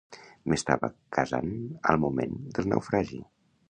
M'estava casant al moment del naufragi.